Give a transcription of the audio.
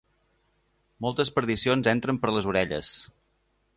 Moltes perdicions entren per les orelles.